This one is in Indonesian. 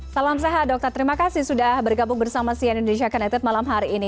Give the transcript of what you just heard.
salam sehat dokter terima kasih sudah bergabung bersama sian indonesia connected malam hari ini